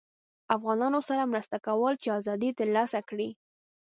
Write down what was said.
افغانانوسره مرسته کوله چې ازادي ترلاسه کړي